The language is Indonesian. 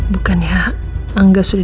bukannya angga sudah